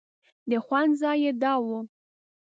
د خوند ځای یې دا و.